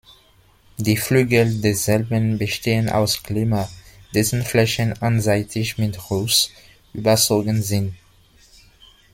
Die Flügel desselben bestehen aus Glimmer, dessen Flächen einseitig mit Ruß überzogen sind.